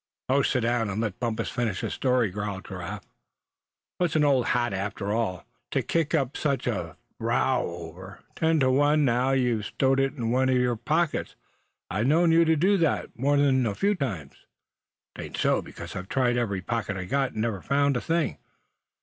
"Oh! sit down, and let Bumpus finish his story," growled Giraffe. "What's an old hat after all, to kick up such a row over it? Ten to one now you've stowed it away in one of your pockets. I've known you to do that more'n a few times." "'Tain't so, because I've tried every pocket I've got, and never found a thing.